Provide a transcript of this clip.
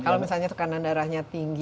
kalau misalnya tekanan darahnya tinggi